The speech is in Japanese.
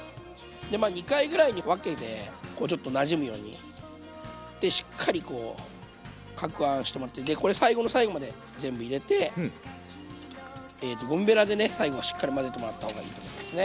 ２回ぐらいに分けてこうちょっとなじむようにしっかりこうかくはんしてもらってこれ最後の最後まで全部入れてえとゴムベラでね最後はしっかり混ぜてもらった方がいいと思いますね。